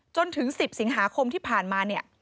จนถึง๑๐สิงหาคมที่ผ่านมา